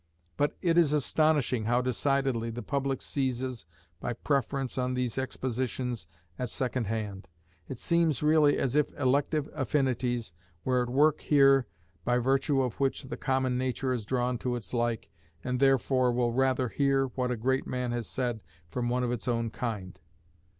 But it is astonishing how decidedly the public seizes by preference on these expositions at second hand. It seems really as if elective affinities were at work here, by virtue of which the common nature is drawn to its like, and therefore will rather hear what a great man has said from one of its own kind.